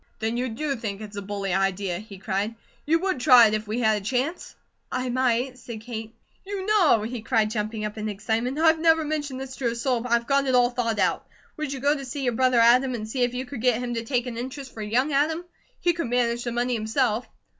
"Then you DO think it's a bully idea," he cried. "You WOULD try it if we had a chance?" "I might," said Kate. "You know," he cried, jumping up in excitement, "I've never mentioned this to a soul, but I've got it all thought out. Would you go to see your brother Adam, and see if you could get him to take an interest for young Adam? He could manage the money himself."